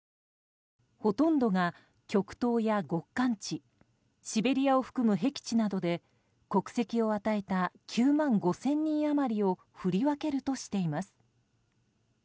ほとんどが極東や極寒地シベリアを含む僻地などで国籍を与えた９万５０００人余りを振り分けるとしています。